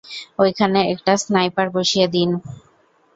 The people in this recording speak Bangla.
ঐখানে একটা স্নাইপার বসিয়ে দিন।